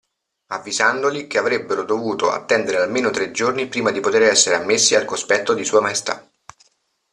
Avvisandoli che avrebbero dovuto attendere almeno tre giorni prima di poter essere ammessi al cospetto di Sua Maestà.